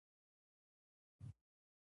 په ورځ کی سل آیتونه تلاوت وکړئ.